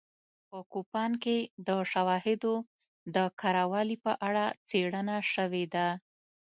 په کوپان کې د شواهدو د کره والي په اړه څېړنه شوې ده